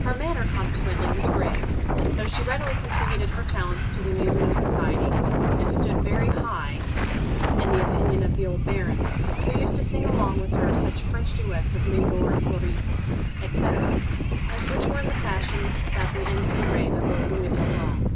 Her manner, consequently, was grave, though she readily contributed her talents to the amusement of society, and stood very high in the opinion of the old Baron, who used to sing along with her such French duets of Lindor and Cloris, etc., as were in fashion about the end of the reign of old Louis le Grand.